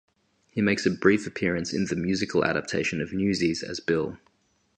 He makes a brief appearance in the musical adaptation of "Newsies" as "Bill".